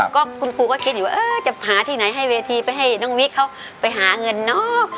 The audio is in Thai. ก็คุณครูก็คิดอยู่ว่าจะหาที่ไหนให้เวทีไปให้น้องวิกเขาไปหาเงินเนาะ